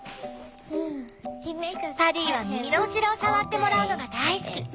パディは耳の後ろを触ってもらうのが大好き。